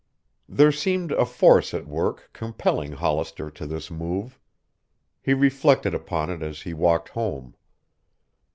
There seemed a force at work compelling Hollister to this move. He reflected upon it as he walked home.